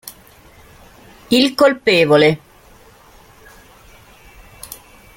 Il colpevole